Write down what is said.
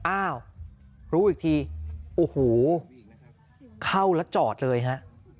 อ้าวรู้อีกทีโอ้โหเข้าแล้วจอดเลยฮะ